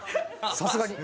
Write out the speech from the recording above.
さすがに。